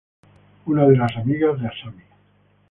Una de las amigas de Asami.